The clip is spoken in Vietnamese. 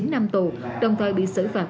chín năm tù đồng thời bị xử phạt